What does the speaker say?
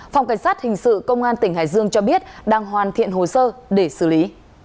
phòng cảnh sát hình sự công an tỉnh hải dương cho biết đang hoàn thiện hồ sơ để xử lý